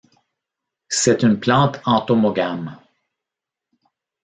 C'est une plante entomogame.